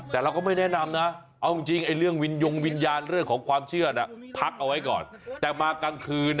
แต่เราก็ไม่แนะนำนะเอาจริงไอ้เรื่องยงวิญญาณเรื่องของความเชื่อ